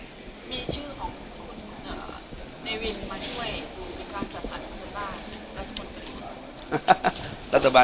มีชื่อของคุณเนวินมาช่วยดูการจัดสรรคุณบ้านรัฐบาลกรีน